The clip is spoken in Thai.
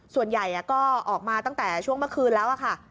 ส่วนใหญ่ก็ออกมาตั้งแต่ช่วงเมื่อคืนแล้วค่ะ